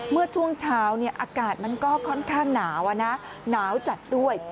เมื่อช่วงเช้าอากาศมันก็ค่อนข้างหนาวหนาวจัดด้วย